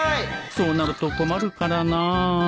そうなると困るからな